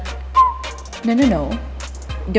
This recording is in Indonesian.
tidak tidak tidak